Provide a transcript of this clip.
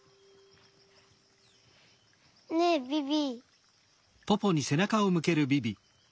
ねえビビ。